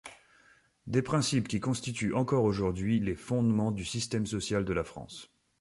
Des principes qui constituent encore aujourd’hui les fondements du système social de la France.